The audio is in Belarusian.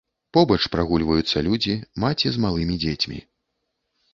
Побач прагульваюцца людзі, маці з малымі дзецьмі.